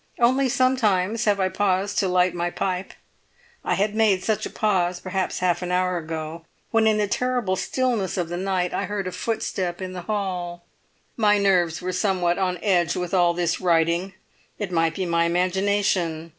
Only sometimes have I paused to light my pipe. I had made such a pause, perhaps half an hour ago, when in the terrible stillness of the night I heard a footstep in the hall. My nerves were somewhat on edge with all this writing; it might be my imagination.